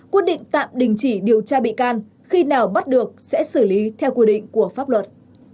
quyết định tạm đình chỉ điều tra bị can khi nào bắt được sẽ xử lý theo quy định của pháp luật